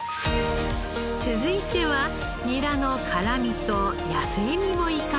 続いてはニラの辛みと野性味を生かす料理。